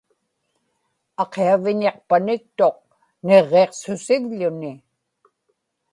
aqiaviñiqpaniktuq niġġiqsusivḷuni